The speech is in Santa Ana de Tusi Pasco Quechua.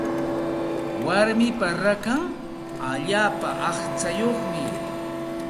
Warmipa rakan allaapa aqchayuqmi.